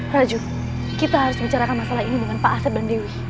raju kita harus bicarakan masalah ini dengan pak asep dan dewi